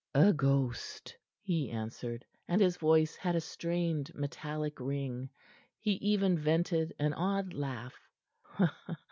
"A ghost," he answered, and his voice had a strained, metallic ring. He even vented an odd laugh.